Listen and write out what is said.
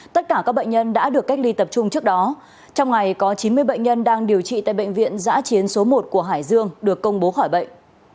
tất cả các bệnh nhân đã được cách ly tập trung trước đó trong ngày có chín mươi bệnh nhân đang điều trị tại bệnh viện giã chiến số một của hải dương được công bố khỏi bệnh